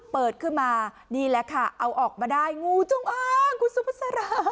เปิดขึ้นมานี่แหละค่ะเอาออกมาได้งูจงอ้างคุณสุภาษา